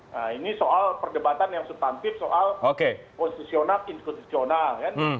nah ini soal perdebatan yang sustansif soal posisional infosisional